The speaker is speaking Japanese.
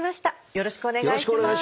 よろしくお願いします。